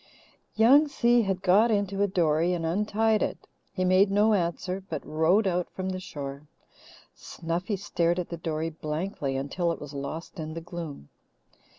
Young Si had got into a dory and untied it. He made no answer, but rowed out from the shore. Snuffy stared at the dory blankly until it was lost in the gloom.